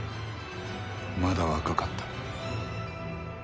まだ若かった」